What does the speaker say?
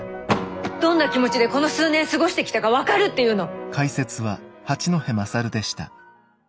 どんな気持ちでこの数年過ごしてきたか分かるっていうの！？